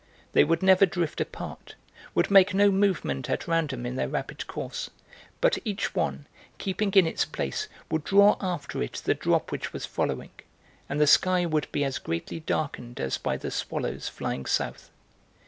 They would never drift apart, would make no movement at random in their rapid course, but each one, keeping in its place, would draw after it the drop which was following, and the sky would be as greatly darkened as by the swallows flying south.